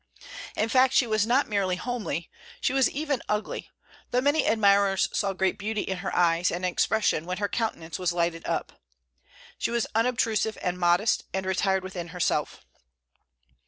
In fact, she was not merely homely, she was even ugly; though many admirers saw great beauty in her eyes and expression when her countenance was lighted up. She was unobtrusive and modest, and retired within herself.